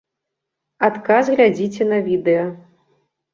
Адказ глядзіце на відэа.